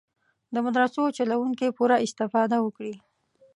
د مدرسو چلوونکي پوره استفاده وکړي.